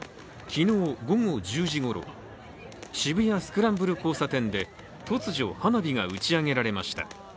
昨日午後１０時ごろ、渋谷スクランブル交差点で突如、花火が打ち上げられました。